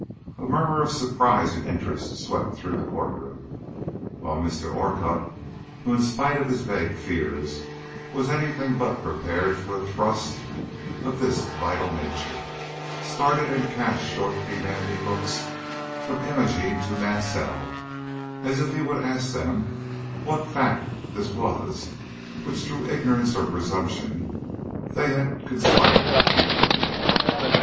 A murmur of surprise and interest swept through the court room, while Mr. Orcutt, who in spite of his vague fears was any thing but prepared for a thrust of this vital nature, started and cast short demanding looks from Imogene to Mansell, as if he would ask them what fact this was which through ignorance or presumption they had conspired to keep from him.